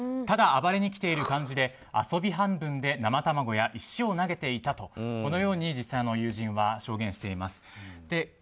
ただ、暴れに来ている感じで遊び半分で生卵や石を投げていたとこのように実際の友人は証言しています。